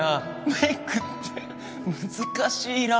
メイクって難しいな